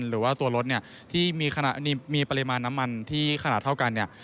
หรือว่ารถที่มีปริมาณน้ำมันที่ขนาดเท่ากัน